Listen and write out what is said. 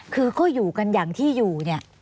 คือก็อยู่กันอย่างที่อยู่